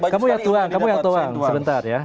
kamu yang tuang kamu yang tuang sebentar ya